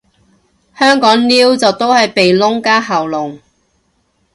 香港撩就都係鼻窿加喉嚨